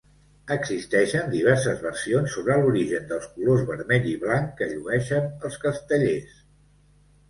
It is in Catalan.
Existeixen diverses versions sobre l'origen dels colors vermell i blanc que llueixen els castellers.